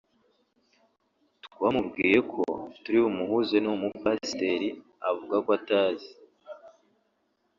twamubwiye ko turi bumuhuze n'uwo mupasiteri avuga ko atazi